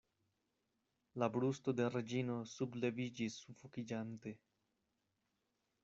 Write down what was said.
La brusto de Reĝino subleviĝis, sufokiĝante.